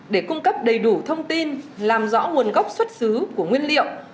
để cung cấp đầy đủ thông tin làm rõ nguồn gốc xuất xứ của nguyên liệu